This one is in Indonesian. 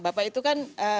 bapak itu kan